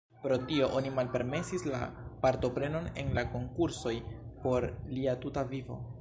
Pro tio oni malpermesis la partoprenon en la konkursoj por lia tuta vivo.